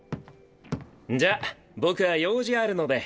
じゃあ僕は用事あるので。